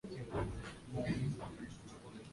Alifungua mlango taratibu na kukuta watu watatu chumbani